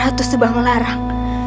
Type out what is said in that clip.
atau sebuah melarang